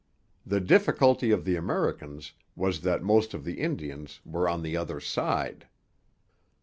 The difficulty of the Americans was that most of the Indians were on the other side.